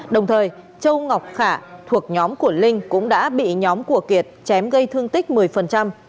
đồng thời châu ngọc khả thuộc nhóm của linh cũng đã bị nhóm của kiệt chém gây thương tích một mươi